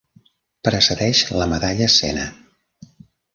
Precedeix la medalla Sena.